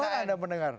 jadi kan anda mendengar